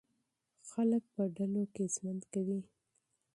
خلک په ډلو کې ژوند کوي.